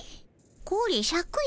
これシャクよ。